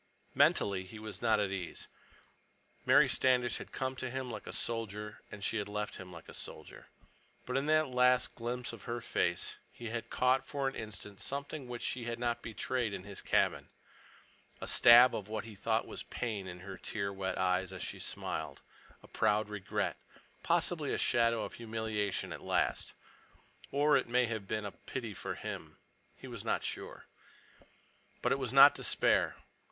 Mentally he was not at ease. Mary Standish had come to him like a soldier, and she had left him like a soldier. But in that last glimpse of her face he had caught for an instant something which she had not betrayed in his cabin—a stab of what he thought was pain in her tear wet eyes as she smiled, a proud regret, possibly a shadow of humiliation at last—or it may have been a pity for him. He was not sure. But it was not despair.